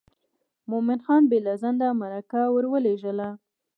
مومن خان بې له ځنډه مرکه ور ولېږله.